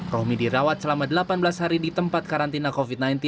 rohmi dirawat selama delapan belas hari di tempat karantina covid sembilan belas